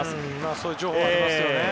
そういう情報がありますよね。